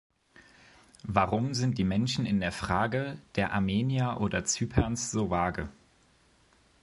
Warum sind die Menschen in der Frage der Armenier oder Zyperns so vage?